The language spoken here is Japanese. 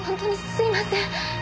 すみません！